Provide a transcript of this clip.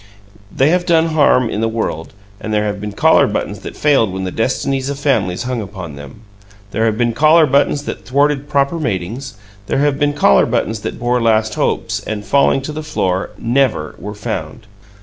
They have done harm in the world, and there have been collar buttons that failed when the destinies of families hung upon them. There have been collar buttons that thwarted proper matings. There have been collar buttons that bore last hopes, and, falling to the floor, NEVER were found!